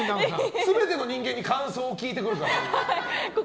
全ての人間に感想を聞いてくるから。